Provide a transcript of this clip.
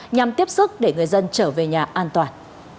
nhằm tiếp sức để người dân trở về nhà an toàn